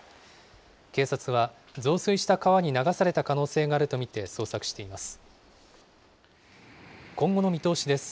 警察は増水した川に流された可能性があると見て捜索しています。